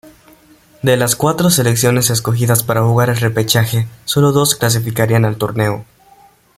De las cuatro selecciones escogidas para jugar el repechaje, sólo dos clasificarían al torneo.